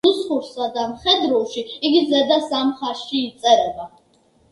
ნუსხურსა და მხედრულში იგი ზედა სამ ხაზში იწერება.